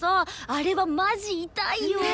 あれはマジ痛いよ！